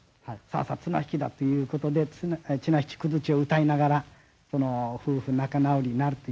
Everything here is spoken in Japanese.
さあさ綱引きだっていうことで「綱引口説」を歌いながら夫婦仲直りになるというですね。